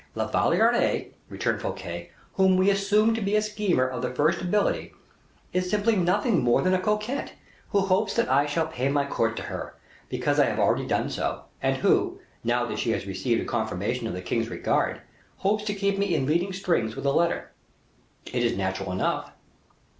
"La Valliere," returned Fouquet, "whom we assume to be a schemer of the first ability, is simply nothing more than a coquette, who hopes that I shall pay my court to her, because I have already done so, and who, now that she has received a confirmation of the king's regard, hopes to keep me in leading strings with the letter. It is natural enough."